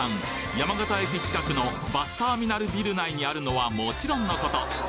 山形駅近くのバスターミナルビル内にあるのはもちろんのこと